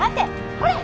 ほれ！